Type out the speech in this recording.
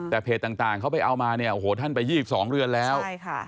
แต่เพจต่างเขาไปเอามาเนี่ยโอ้โหท่านไปยี่สิบสองเรือนแล้ว